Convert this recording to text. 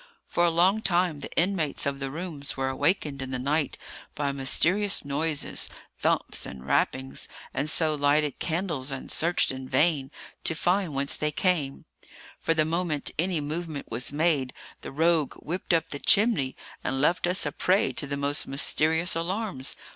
For a long time the inmates of the rooms were awakened in the night by mysterious noises, thumps, and rappings, and so lighted candles, and searched in vain to find whence they came; for the moment any movement was made, the rogue whipped up the chimney, and left us a prey to the most mysterious alarms.